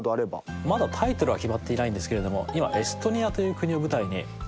まだタイトルは決まっていないんですけれども今エストニアという国を舞台にえーっと。